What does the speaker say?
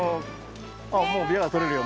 あっもうビワ取れるよ